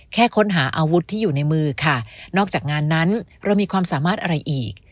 แค่ค้นหาอาวุธที่อยู่ในมือค่ะนอกจากงานนั้นเรามีความสามารถอะไรอีก